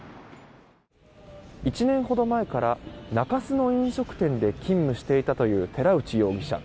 １年ほど前から中洲の飲食店で勤務していたという寺内容疑者。